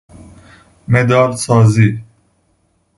مدال سازی